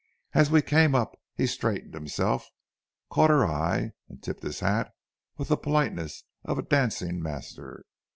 As we came up he straightened himself, caught her eye, and tipped his hat with the politeness of a dancing master.